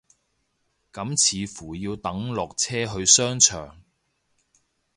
咁似乎要等落車去商場